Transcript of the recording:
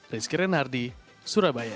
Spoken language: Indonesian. rizky renardi surabaya